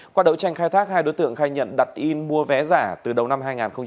qua đấu tranh khai thác hai đối tượng khai nhận đặt in mua vé giả từ đầu năm hai nghìn hai mươi